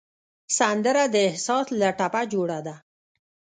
سندره د احساس له ټپه جوړه ده